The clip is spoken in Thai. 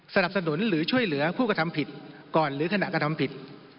สนับสนุนหรือช่วยเหลือผู้กระทำผิดก่อนหรือขณะกระทำผิด